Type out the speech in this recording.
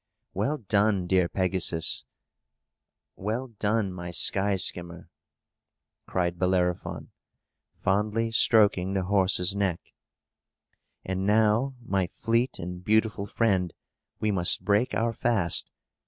"Well done, dear Pegasus! well done, my sky skimmer!" cried Bellerophon, fondly stroking the horse's neck. "And now, my fleet and beautiful friend, we must break our fast.